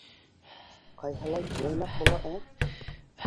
— Ҡайһылай йыйнаҡ була, ә!